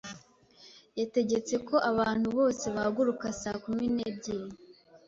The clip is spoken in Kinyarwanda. Yategetse ko abantu bose bahaguruka saa kumi n'ebyiri.